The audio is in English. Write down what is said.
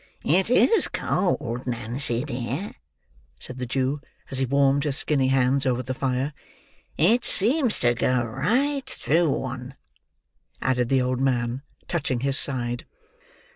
"It is cold, Nancy dear," said the Jew, as he warmed his skinny hands over the fire. "It seems to go right through one," added the old man, touching his side.